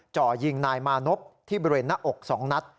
จ่อยิงนายมานพที่บริเวณหน้าอก๒นัด